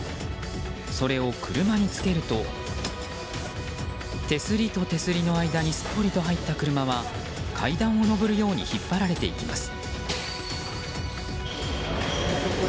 それを車につけると手すりと手すりの間にすっぽりと入った車は階段を上るように引っ張られていきます。